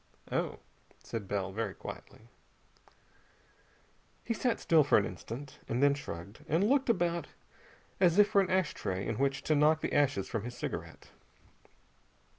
"Oh," said Bell, very quietly. He sat still for an instant, and then shrugged, and looked about as if for an ash tray in which to knock the ashes from his cigarette.